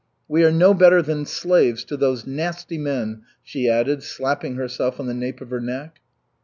We are no better than slaves to those nasty men!" she added, slapping herself on the nape of her neck.